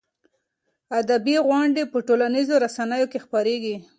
ادبي غونډې په ټولنیزو رسنیو کې خپرېږي.